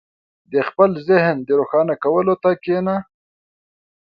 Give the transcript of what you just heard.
• د خپل ذهن د روښانه کولو ته کښېنه.